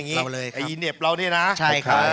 อีเหนียบเรา